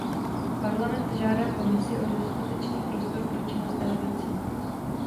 Parlament žádá Komisi o dostatečný prostor pro činnost delegací.